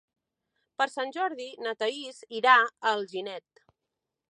Per Sant Jordi na Thaís irà a Alginet.